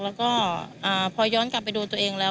แล้วก็พอย้อนกลับไปดูตัวเองแล้ว